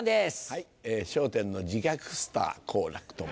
はい『笑点』の自虐スター好楽と申します。